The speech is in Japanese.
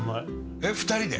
えっ２人で？